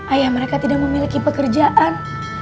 ayah mereka tidak memiliki pekerjaan